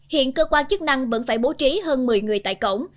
hiện cơ quan chức năng vẫn phải bố trí hơn một mươi người tại cổng